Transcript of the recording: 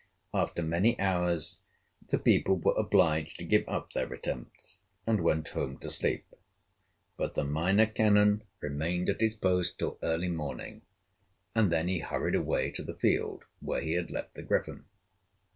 After many hours the people were obliged to give up their attempts, and went home to sleep; but the Minor Canon remained at his post till early morning, and then he hurried away to the field where he had left the Griffin.